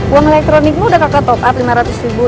uang elektronikmu udah kakak top up lima ratus ribu